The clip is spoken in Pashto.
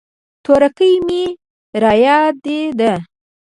تورکى مې رايادېده.